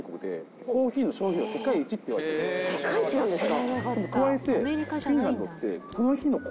世界一なんですか？